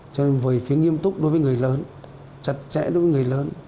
cho nên về phía nghiêm túc đối với người lớn chặt chẽ đối với người lớn